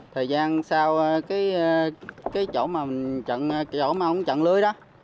thời gian sau cái chỗ mà chặn chỗ mà không chặn lưới đó